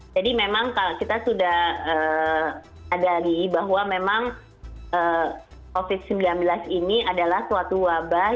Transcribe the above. jadi memang kita sudah adali bahwa memang covid sembilan belas ini adalah suatu wabah